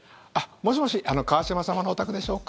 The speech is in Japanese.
もしもし川島様のお宅でしょうか？